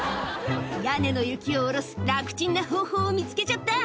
「屋根の雪を下ろす楽ちんな方法見つけちゃった」